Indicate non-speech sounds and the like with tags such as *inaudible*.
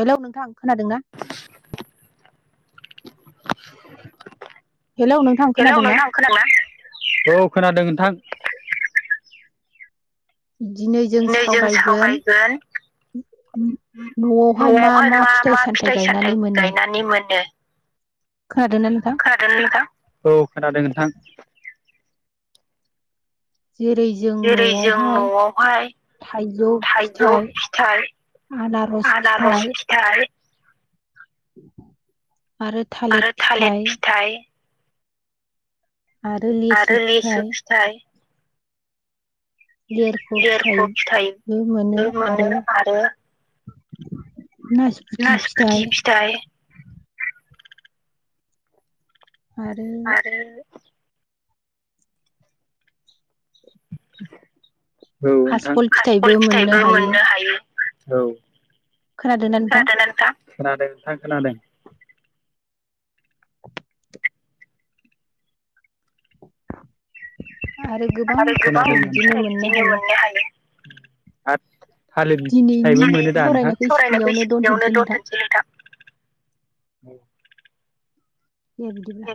Hello नोंथां खोनादोंना? *inaudible* औ खोनादों नोंथां। दिनै जों सावरायगोन न'आवहाय मा मा फिथाइ सामथाइ गायनानै मोनो। औ खोनादों नोंथां। जेरै- जों न'आवहाय थाइजौ फिथाइ आनारस फिथाइ *inaudible* आरो थालित फिथाइ आरो लिसु फिथाइ लेरख' फिथाइबो मोनो आरो नाचफुथि फिथाइ आरो *inaudible* औ नोथां खासफल फिथाइबो मोननो हायो। औ खोनादोंना नोंथां? खोनादों नोंथां खोनादों। *inaudible* खोनादों नोंथां। आ थालिर फिथाइबो मोनो दा नोथां *inaudible* औ दे बिदिब्ला।